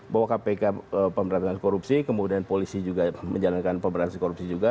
bahwa kpk pemberantasan korupsi kemudian polisi juga menjalankan pemberantasan korupsi juga